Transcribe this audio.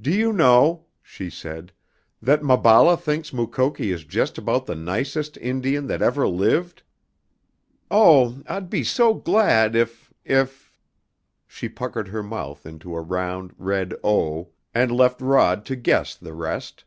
"Do you know," she said, "that Maballa thinks Mukoki is just about the nicest Indian that ever lived? Oh, I'd be so glad if if " She puckered her mouth into a round, red O, and left Rod to guess the rest.